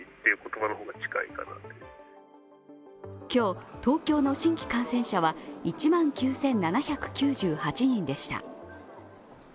今日、東京の新規感染者は１万９７９８人でした。